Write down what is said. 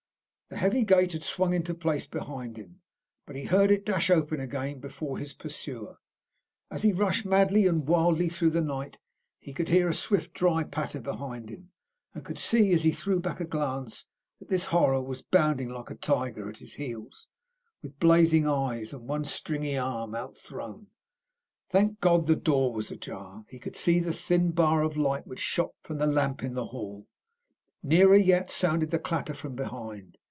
The heavy gate had swung into place behind him, but he heard it dash open again before his pursuer. As he rushed madly and wildly through the night, he could hear a swift, dry patter behind him, and could see, as he threw back a glance, that this horror was bounding like a tiger at his heels, with blazing eyes and one stringy arm outthrown. Thank God, the door was ajar. He could see the thin bar of light which shot from the lamp in the hall. Nearer yet sounded the clatter from behind.